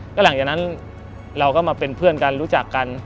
แล้วหลังจากนั้นเราก็มาเป็นเพื่อนกันรู้จักกัน